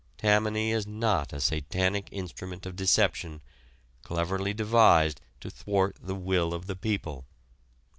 Tammany is not a satanic instrument of deception, cleverly devised to thwart "the will of the people."